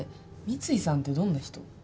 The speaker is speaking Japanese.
三津井さんってどんな人？